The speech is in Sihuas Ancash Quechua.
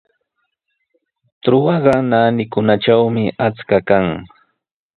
Trutrwaqa naanikunatrawmi achka kan.